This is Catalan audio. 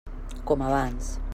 Com abans.